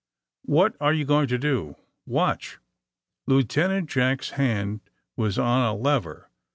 ^^What are yon going to do?" *^ Watch!" Lieutenant Jack's hand was on a lever.